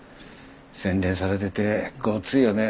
洗練されててゴツいよね。